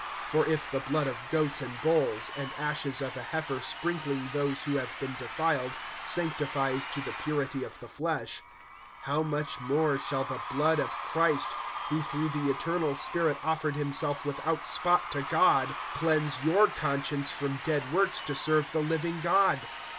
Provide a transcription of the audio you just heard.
(13)For if the blood of goats and bulls, and ashes of a heifer sprinkling those who have been defiled, sanctifies to the purity of the flesh; (14)how much more shall the blood of Christ, who through the eternal Spirit offered himself without spot to God, cleanse your conscience from dead works to serve the living God?